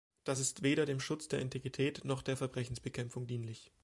Das ist weder dem Schutz der Integrität noch der Verbrechensbekämpfung dienlich.